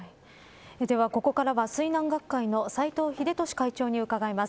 ここからは水難学会の斎藤秀俊会長に伺います。